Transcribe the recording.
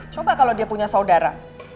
coba kalau dia punya saudara